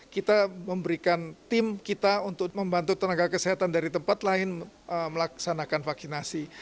kita memberikan tim kita untuk membantu tenaga kesehatan dari tempat lain melaksanakan vaksinasi